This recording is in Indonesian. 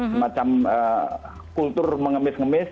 semacam kultur mengemisik